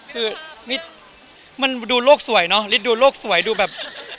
คือมันดูโลกสวยเนอะดูโลกสวยดูแบบ